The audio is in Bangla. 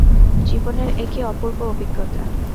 জীবনের একি অপূর্ব অভিজ্ঞতা!